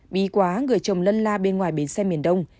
bí quá người trồng lân la bên ngoài bến xe miền đông